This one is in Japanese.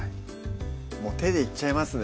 もう手でいっちゃいますね